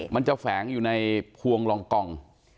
มันจะแฝงอยู่ในพวงรองกอง